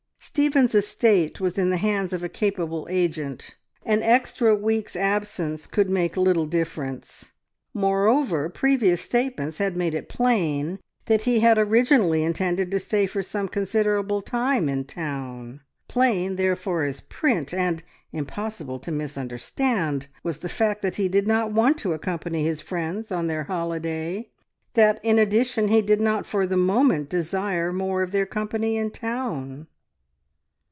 Stephen's estate was in the hands of a capable agent: an extra week's absence could make little difference; moreover, previous statements had made it plain that he had originally intended to stay for some considerable time in town. Plain, therefore, as print, and impossible to misunderstand was the fact that he did not want to accompany his friends on their holiday; that in addition he did not for the moment desire more of their company in town.